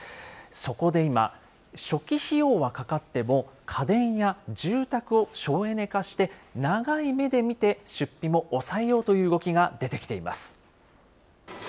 そこで今、初期費用はかかっても、家電や住宅を省エネ化して、長い目で見て、出費も抑えようという動きが出てきています。